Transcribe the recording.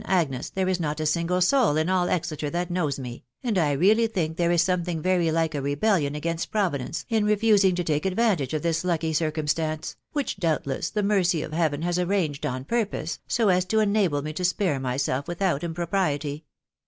Agnes, there is not a single soul in all Exeter that knows me, and I really think there is something very like a rebellion against Providence in refusing to take advantage of this lucky circumstance, which doubtless the mercy of Heaven has arranged on purpose, so as to enable me to spare myself without impropriety.